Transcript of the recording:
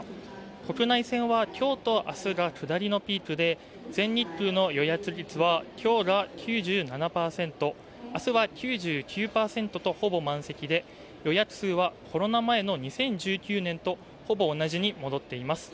国内線は今日と明日が下りのピークで全日空の予約率は、今日が９７％、明日が９９％とほぼ満席で、予約数はコロナ前の２０１９年とほぼ同じに戻っています。